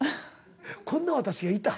こんな私がいた。